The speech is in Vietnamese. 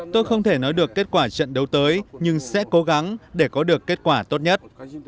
tôi không thể nói được kết quả trận đấu tới nhưng sẽ cố gắng để có được kết quả tốt nhất